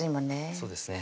そうですね